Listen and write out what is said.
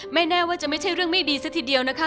แน่ว่าจะไม่ใช่เรื่องไม่ดีซะทีเดียวนะคะ